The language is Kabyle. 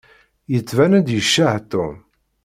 Yettban-d yeččeḥ Tom.